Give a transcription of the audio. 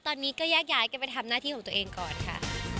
ตอนนี้ก็แยกย้ายกันไปทำหน้าที่ของตัวเองก่อนค่ะ